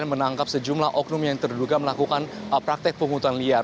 menangkap sejumlah oknum yang terduga melakukan praktek penghutan liar